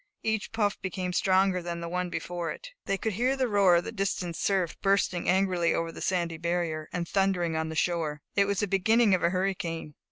Each puff became stronger than the one before it. They could hear the roar of the distant surf, bursting angrily over the sandy barrier, and thundering on the shore. It was the beginning of a hurricane.